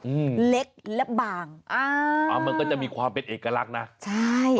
อืมเล็กและบางอ่าอ่ามันก็จะมีความเป็นเอกลักษณ์นะใช่